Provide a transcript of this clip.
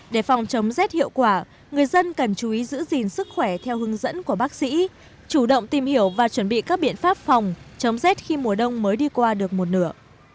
để phòng chống rét hiệu quả người dân cần chú ý giữ gìn sức khỏe theo hướng dẫn của bác sĩ chủ động tìm hiểu và chuẩn bị các biện pháp phòng chống rét khi mùa đông mới đi qua được một nửa